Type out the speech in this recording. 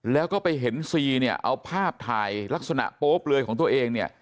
แล้วก็ไปเห็นซีเนี่ยเอาภาพถ่ายลักษณะโป๊เปลือยของตัวเองเนี่ย